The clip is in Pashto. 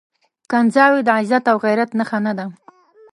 کنځاوي د عزت او غيرت نښه نه ده.